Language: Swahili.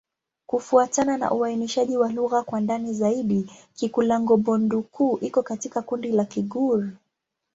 Kufuatana na uainishaji wa lugha kwa ndani zaidi, Kikulango-Bondoukou iko katika kundi la Kigur.